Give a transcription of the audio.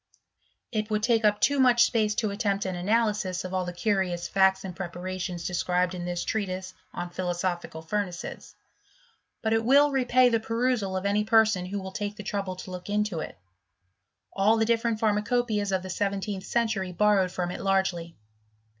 It would take up too mucK space to attempt an analysis of all the curious factfl^ and preparations described in this treatise on philoso ^ phical furnaces ; but it will repay the perusal of an^^ ' person who will take the trouble to Iqok into it# AS ] CHSMISTRY.OF THE SEVENTEENTH CENTURT. $29 ibe. differetit pharmacopceiaa of the seventeenth cen* tury borrowed from it largely.